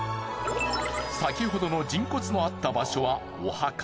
先ほどの人骨のあった場所はお墓。